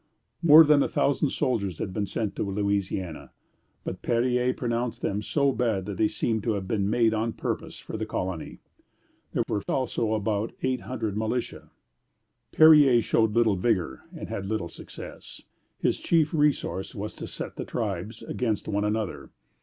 More than a thousand soldiers had been sent to Louisiana; but Perier pronounced them "so bad that they seem to have been made on purpose for the colony." There were also about eight hundred militia. Perier showed little vigor, and had little success. His chief resource was to set the tribes against one another.